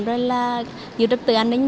rồi là giữ tập tư an ninh